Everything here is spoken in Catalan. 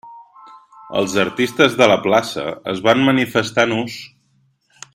Els artistes de la plaça es van manifestar nus.